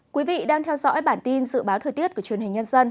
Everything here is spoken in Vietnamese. quý vị đang theo dõi bản tin dự báo thời tiết của truyền hình nhân dân